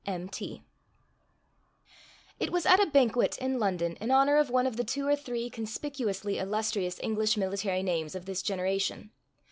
—M.T.] It was at a banquet in London in honor of one of the two or three conspicuously illustrious English military names of this generation.